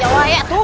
ya allah ya itu